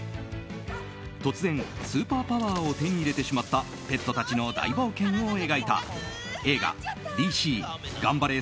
突然スーパーパワーを手に入れてしまったペットたちの大冒険を描いた映画「ＤＣがんばれ！